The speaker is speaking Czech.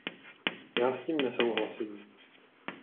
Já s tím nesouhlasím.